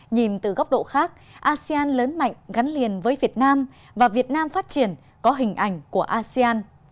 nhìn từ góc độ khác asean lớn mạnh gắn liền với việt nam và việt nam phát triển có hình ảnh của asean